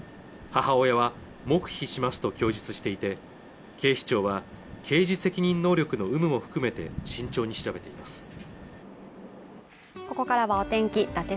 母親は黙秘しますと供述していて警視庁は刑事責任能力の有無も含めて慎重に調べています